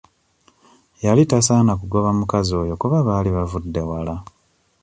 Yali tasaana kugoba mukazi oyo kuba baali bavudde wala.